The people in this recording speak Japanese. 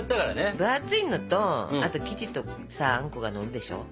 分厚いのとあと生地とかさあんこがのるでしょ？